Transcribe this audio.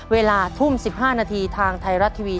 เวลาทุ่ม๑๕นาทีทางไทยรัฐทีวี